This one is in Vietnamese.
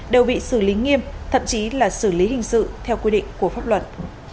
đều bị xử lý nghiêm thậm chí là xử lý hình sự theo quy định của pháp luật